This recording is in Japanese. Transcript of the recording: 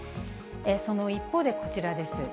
その一方で、こちらです。